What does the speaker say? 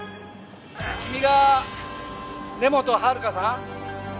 君が根本遥さん？